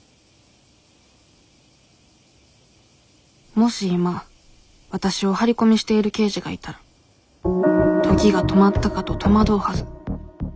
もし今わたしをハリコミしている刑事がいたら時が止まったかと戸惑うはず